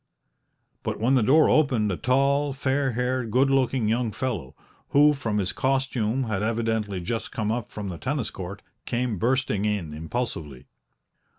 But when the door opened a tall, fair haired, good looking young fellow, who from his costume had evidently just come up from the tennis court, came bursting in impulsively.